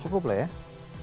cukup lah ya